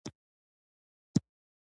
وردگ ولايت د پرمختگ ډېره شونتيا لري،